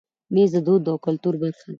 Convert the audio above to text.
مېز د دود او کلتور برخه ده.